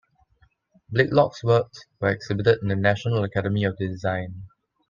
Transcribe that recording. Blakelock's works were exhibited in the National Academy of Design.